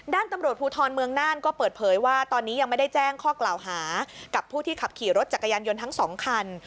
ด้านตำรวจภูทรเมืองน่านก็เปิดเผยว่าตอนนี้ยังไม่ได้แจ้งข้อกล่าวหากับผู้ที่ขับขี่รถจักรยานยนต์ทั้งสองคัน